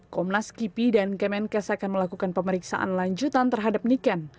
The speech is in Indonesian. komnas kipi dan kemenkes akan melakukan pemeriksaan lanjutan terhadap niken